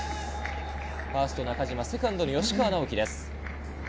ファースト・中島、セカンドに吉川尚輝です。